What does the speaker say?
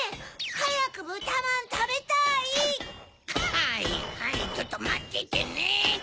はいはいちょっとまっててね。